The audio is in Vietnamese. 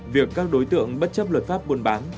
việc các đối tượng bất chấp luật pháp buôn bán